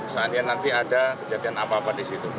seandainya nanti ada kejadian apa apa di situ